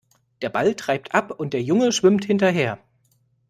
Der Ball treibt ab und der Junge schwimmt hinterher.